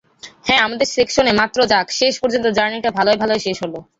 হ্যাঁ, আমাদের সেকশনে মাত্র যাক, শেষ পর্যন্ত জার্নিটা ভালোয় ভালোয় শেষ হলো!